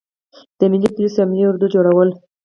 د ملي پولیسو او ملي اردو جوړول.